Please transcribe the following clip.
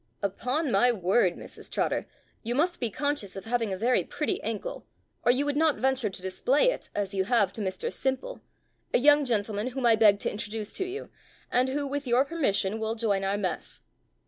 "Upon my word, Mrs Trotter, you must be conscious of having a very pretty ankle, or you would not venture to display it, as you have to Mr Simple, a young gentleman whom I beg to introduce to you, and who, with your permission, will join our mess."